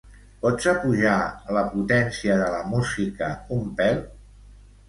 Pots apujar la potència de la música un pèl?